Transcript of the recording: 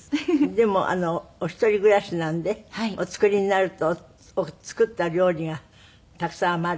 でもお一人暮らしなのでお作りになると作った料理がたくさん余る。